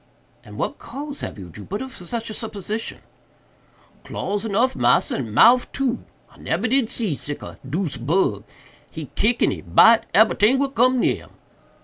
"And what cause have you, Jupiter, for such a supposition?" "Claws enuff, massa, and mouff too. I nebber did see sick a deuced bug—he kick and he bite ebery ting what cum near him.